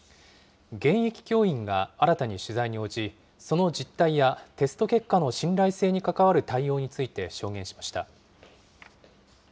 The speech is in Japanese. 現役教員が新たに取材に応じ、その実態やテスト結果の信頼性に関わる対応について証言しました。